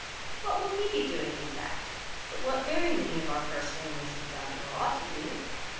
What will he be doing, in fact, but what very many of our first families have done, or ought to do?